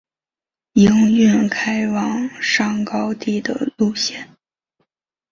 营运开往上高地的路线。